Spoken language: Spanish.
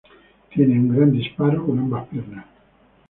Tiene un gran disparo con ambas piernas.